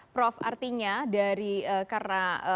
prof artinya dari karena